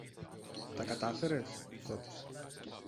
Τα κατάφερες; ρώτησε.